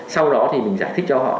sau đó thì mình giải thích cho họ